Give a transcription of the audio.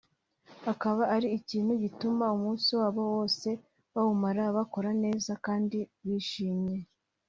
akaba ari ikintu gituma umunsi wabo wose bawumara bakora neza kandi bishimye